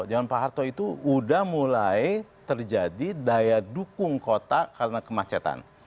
zaman pak harto itu sudah mulai terjadi daya dukung kota karena kemacetan